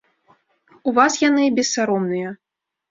У вас яны бессаромныя.